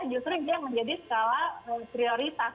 justru dia menjadi skala prioritas